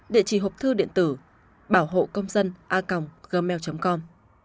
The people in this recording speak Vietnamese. địa chỉ hộp thư điện tử bảo hộ công dân a gmail com